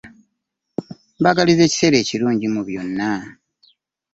Mbaagaliza ekiseera ekirungi mu byonna.